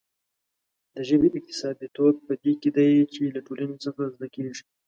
د ژبې اکتسابيتوب په دې کې دی چې له ټولنې څخه زده کېږي.